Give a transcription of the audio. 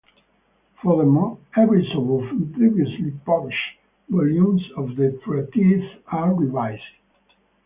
Furthermore, every so often, previously published volumes of the "Treatise" are revised.